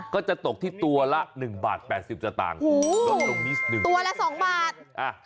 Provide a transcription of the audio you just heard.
ก็จะตกที่ตัวละ๑บาท๘๐สตางค์